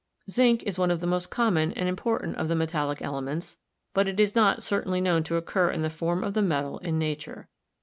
Zinc is one of the most common and important of the metallic elements, but it is not certainly known to occur in the form of the metal in nature.